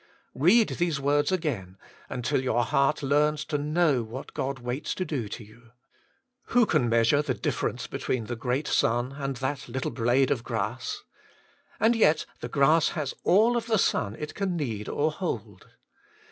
* Read these words again, until your heart learns to know what God waits to do to you. Who can measure the difference between the great sun and that little blade of grass ? and yet the grass has all of the sun it can need or hold.